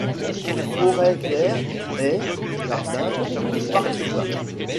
Forêts claires, haies, jardins et parcs urbains.